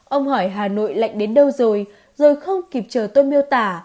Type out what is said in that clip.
ông hỏi hà nội lạnh đến đâu rồi rồi không kịp chờ tôi miêu tả